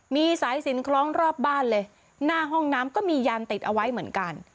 มีสายสินคล้องรอบบ้านเลยหน้าห้องน้ำก็มียานติดเอาไว้เหมือนกัน